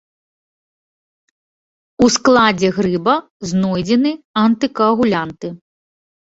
У складзе грыба знойдзены антыкаагулянты.